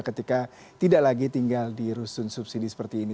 ketika tidak lagi tinggal di rusun subsidi seperti ini